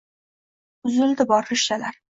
Uzildi bor rishtalar